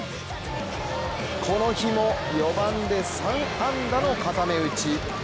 この日も４番で３安打の固め打ち。